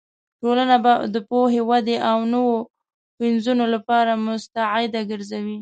ټولنه به د پوهې، ودې او نوو پنځونو لپاره مستعده ګرځوې.